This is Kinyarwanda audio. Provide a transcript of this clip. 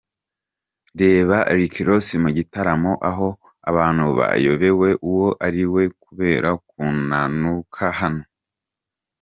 Reba Rick Ross mu gitaramo aho abantu bayobewe uwo ariwe kubera kunanuka hano.